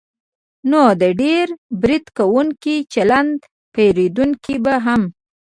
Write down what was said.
نو د ډېر برید کوونکي چلند پېرودونکی به هم